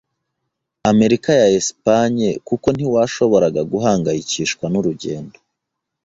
Amerika ya Espagne, kuko ntitwashoboraga guhangayikishwa nurugendo